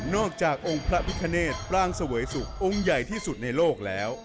อกจากองค์พระพิคเนตปลางเสวยสุของค์ใหญ่ที่สุดในโลกแล้ว